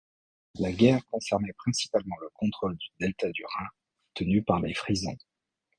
La guerre concernait principalement le contrôle du delta du Rhin, tenu par les Frisons.